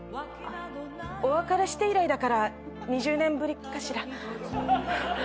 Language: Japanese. お別れして以来だから２０年ぶりかしら。